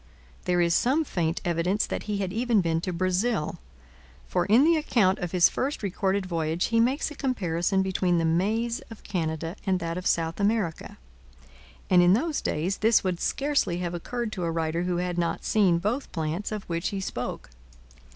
There is some faint evidence that he had even been to Brazil, for in the account of his first recorded voyage he makes a comparison between the maize of Canada and that of South America; and in those days this would scarcely have occurred to a writer who had not seen both plants of which he spoke.